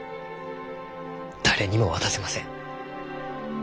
誰にも渡せません。